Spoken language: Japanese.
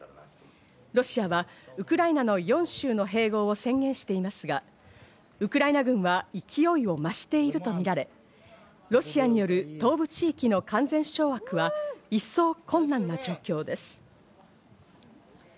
ロシアはウクライナの４州の併合を宣伝していますが、ウクライナ軍は勢いを増しているとみられ、ロシアによる東部地域の完全掌握は一層困難な状況です。